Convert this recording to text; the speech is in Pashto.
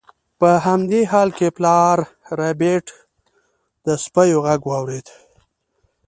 په همدې حال کې پلار ربیټ د سپیو غږ واورید